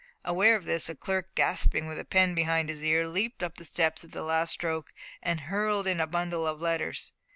Aware of this, a clerk, gasping and with a pen behind his ear, leaped up the steps at the last stroke, and hurled in a bundle of letters.